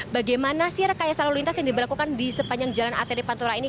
bagaimana sih rekayasa lalu lintas yang diberlakukan di sepanjang jalan arteri pantura ini